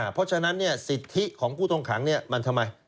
เพราะฉะนั้นสิทธิของผู้ต้องขังมันทำไม